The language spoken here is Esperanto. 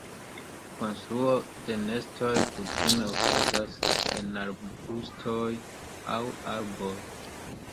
Konstruo de nestoj kutime okazas en arbustoj aŭ arboj.